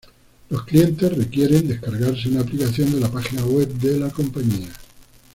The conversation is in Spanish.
Los clientes requieren descargarse una aplicación de la página web de la compañía.